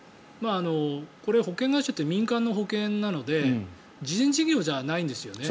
これ、保険会社って民間の保険なので慈善事業じゃないんですよね。